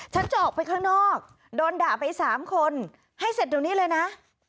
ฉันจอกไปข้างนอกโดนด่าไปสามคนให้เสร็จตรงนี้เลยนะ